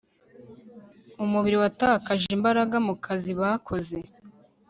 umubiri watakaje imbaraga mu kazi bakoze